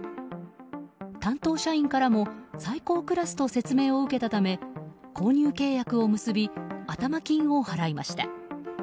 担当社員からも最高クラスであると説明を受けたため購入契約を結び頭金を払いました。